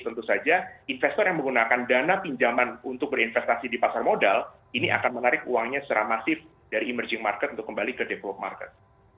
tentu saja investor yang menggunakan dana pinjaman untuk berinvestasi di pasar modal ini akan menarik uangnya secara masif dari emerging market untuk kembali ke develop market